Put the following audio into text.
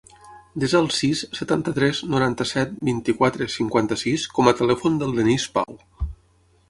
Desa el sis, setanta-tres, noranta-set, vint-i-quatre, cinquanta-sis com a telèfon del Denís Pau.